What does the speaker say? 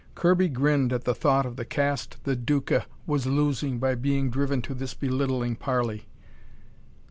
Kirby grinned at the thought of the caste the Duca was losing by being driven to this belittling parley.